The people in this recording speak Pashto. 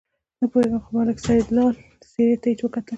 نه پوهېږم خو د ملک سیدلال څېرې ته چې وکتل.